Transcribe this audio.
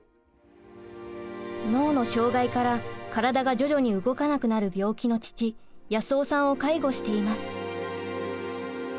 脳の障害から体が徐々に動かなくなる病気の父保夫さんを介護しています。